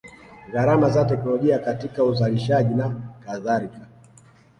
Gharama za teknolojia katika uzalishaji na kadhalika